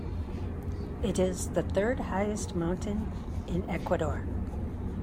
It is the third highest mountain in Ecuador.